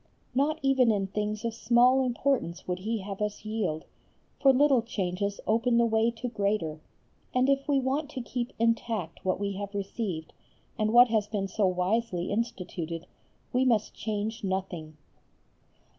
Not even in things of small importance would he have us yield, for little changes open the way to greater, and if we want to keep intact what we have received, and what has been so wisely instituted, we must change nothing.